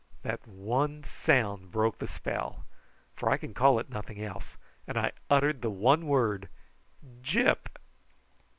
That sound broke the spell, for I can call it nothing else, and I uttered the one word: "Gyp!"